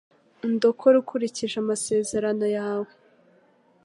undokore ukurikije amasezerano yawe